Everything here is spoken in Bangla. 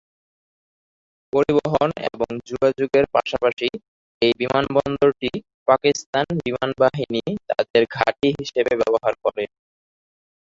পরিবহন এবং যোগাযোগের পাশাপাশি এই বিমানবন্দরটি পাকিস্তান বিমানবাহিনী তাদের ঘাঁটি হিসেবে ব্যবহার করে।